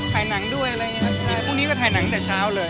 ถ่ายหนังด้วยอะไรอย่างเงี้ครับใช่พรุ่งนี้ก็ถ่ายหนังแต่เช้าเลย